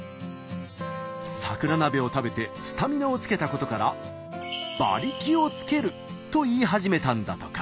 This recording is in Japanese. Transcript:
桜鍋を食べてスタミナをつけたことからと言い始めたんだとか。